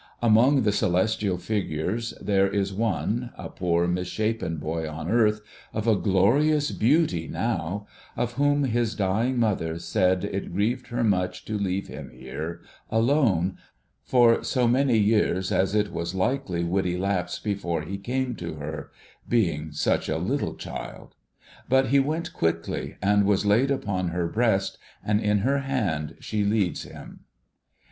Among the celestial figures there is one, a poor mis shapen boy on earth, of a glorious beauty now, of whom his dying mother said it grieved her much to leave him here, alone, for so many years as it was likely would elapse before he came to her — being such a little child. But he went quickly, and was laid upon her breast, and in her hand she leads him.